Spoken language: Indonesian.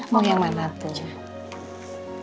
mau yang mana tuh cak